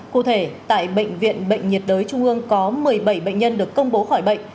cụ thể tại bệnh viện bệnh nhiệt đới trung ương có một mươi bảy bệnh nhân được công bố khỏi bệnh